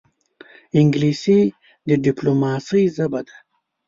انګلیسي د ډیپلوماسې ژبه ده